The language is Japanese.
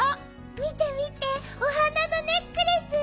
みてみてお花のネックレス。